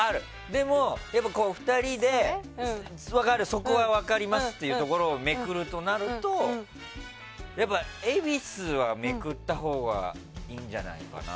でも２人で、そこは分かりますっていうところをめくるとなると恵比寿はめくったほうがいいんじゃないかな。